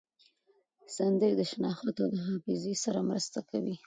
سندرې د شناخت او حافظې سره مرسته کوي.